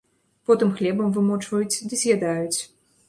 Потым хлебам вымочваюць ды з'ядаюць.